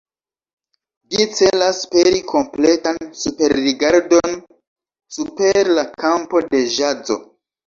Ĝi celas peri kompletan superrigardon super la kampo de ĵazo.